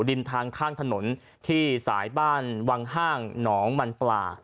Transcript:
ริมทางข้างถนนที่สายบ้านวังห้างหนองมันปลา